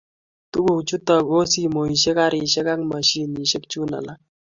tuguk chuto ko simoshiek karishek ak mashinishik chun alak